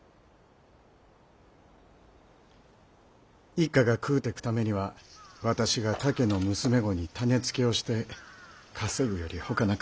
一家が食うていくためには私が他家の娘御に種付けをして稼ぐよりほかなく。